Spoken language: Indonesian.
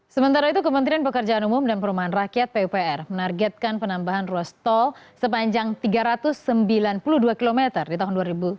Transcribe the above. sementara itu kementerian pekerjaan umum dan perumahan rakyat pupr menargetkan penambahan ruas tol sepanjang tiga ratus sembilan puluh dua km di tahun dua ribu tujuh belas